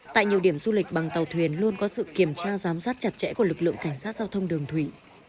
tại nhiều điểm du lịch bằng tàu thuyền luôn có sự kiểm tra giám sát chặt chẽ của lực lượng cảnh sát giao thông đường thủy